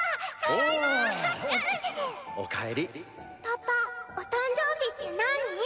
パパお誕生日ってなぁに？